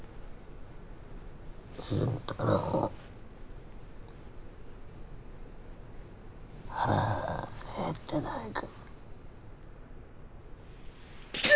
心太朗腹へってないか？